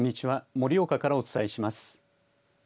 盛岡からお伝えします。